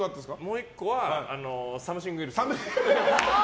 もう１個はサムシングエルス。